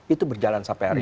itu berjalan sampai hari ini